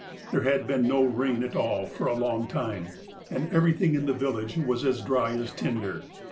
There had been no rain at all for a long time, and everything in the village was as dry as tinder.